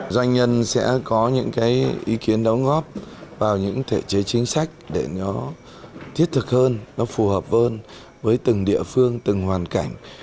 doanh nhân sẽ có những cái ý kiến đóng góp vào những thể chế chính sách để nó thiết thực hơn nó phù hợp hơn với từng địa phương từng hoàn cảnh